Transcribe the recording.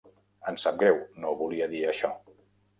Em sap greu, no volia dir això.